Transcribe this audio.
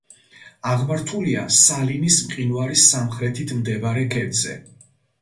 აღმართულია სალინის მყინვარის სამხრეთით მდებარე ქედზე.